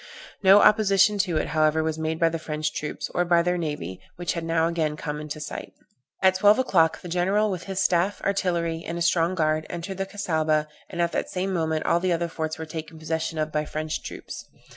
No opposition to it, however, was made by the French troops, or by their navy, which had now again come in sight. At twelve o'clock the general, with his staff, artillery, and a strong guard, entered the Cassaubah, and at the same moment all the other forts were taken possession of by French troops.